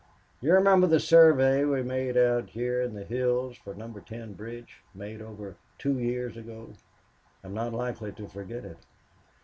"Do you remember the survey we made out here in the hills for Number Ten Bridge? Made over two years ago." "I'm not likely to forget it."